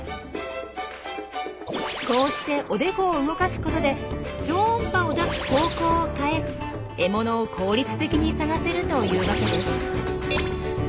こうしておでこを動かすことで超音波を出す方向を変え獲物を効率的に探せるというわけです。